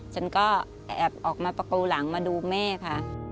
ฉันก็แอบออกมาประตูหลังมาดูแม่ค่ะ